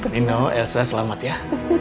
nino elsa selamat ya